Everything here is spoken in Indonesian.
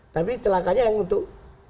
tapi telakanya yang untuk